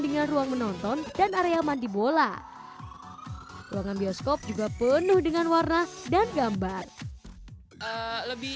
dengan ruang menonton dan area mandi bola ruangan bioskop juga penuh dengan warna dan gambar lebih